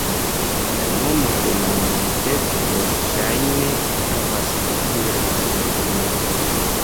La nomo de la monteto verŝajne havas biblian originon.